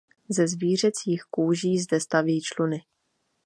Ze zvířecích kůží zde staví čluny.